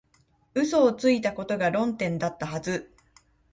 嘘をついたことが論点だったはず